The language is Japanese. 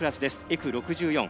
Ｆ６４。